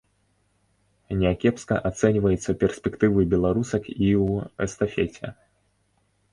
Някепска ацэньваюцца перспектывы беларусак і ў эстафеце.